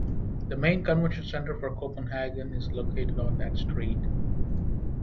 The main convention center for Copenhagen is located on that street.